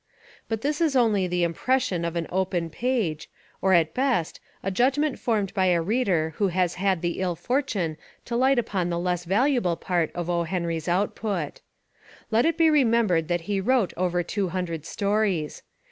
But this Is only the Impression of an open page, or at best, a judgment formed by a reader who has had the ill fortune to light upon the less valuable part of O. Henry's output. Let It be remembered that he wrote over two hundred stories.